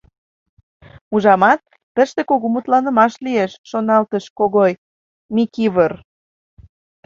«Ужамат, тыште кугу мутланымаш лиеш, — шоналтыш Когой Микивыр.